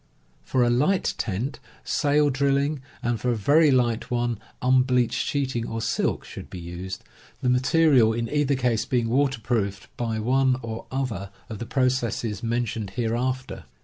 For a light tent, sail drilling, and for a very light one, un bleached sheeting or silk, should be used, the material in either case being waterproofed by one or other of the processes mentioned hereafter.